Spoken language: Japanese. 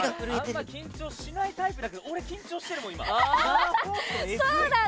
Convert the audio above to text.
あんま緊張しないタイプだけど俺、緊張してるもん、今。